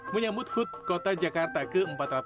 menyambut hud kota jakarta ke empat ratus sembilan puluh